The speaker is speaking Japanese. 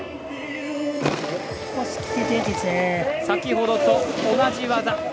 先ほどと同じ技。